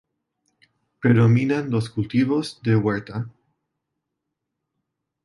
Predominan los cultivos de huerta.